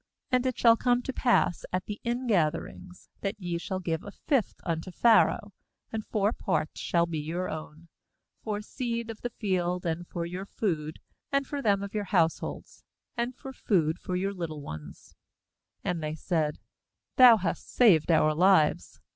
^And it shall come to pass at the ingatherings, that ye shall give a fifth unto Pharaoh, and four parts shall be your own, for seed of the field, and for your food, and for them of your households, and for food for your little ones/ ^And they said: "Thou hast^ saved our lives.